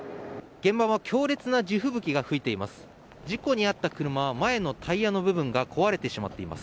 現場は強烈な地吹雪が吹いています。